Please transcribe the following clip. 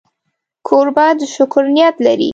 کوربه د شکر نیت لري.